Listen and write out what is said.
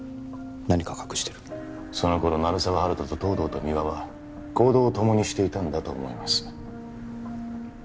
何か隠してるその頃鳴沢温人と東堂と三輪は行動を共にしていたんだと思います